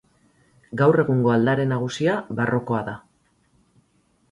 Gaur egungo aldare nagusia barrokoa da.